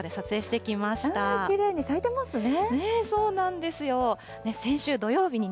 きれいに咲いてますね。